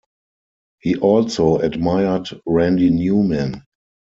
He also admired Randy Newman.